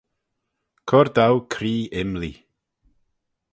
Cur dow cree imlee.